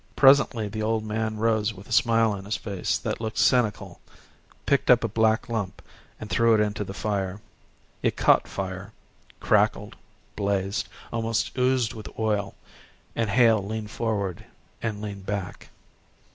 Presently the old man rose with a smile on his face that looked cynical, picked up a black lump and threw it into the fire. It caught fire, crackled, blazed, almost oozed with oil, and Hale leaned forward and leaned back.